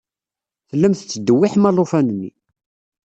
Tellam tettdewwiḥem alufan-nni.